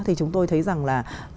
thì chúng tôi thấy rằng là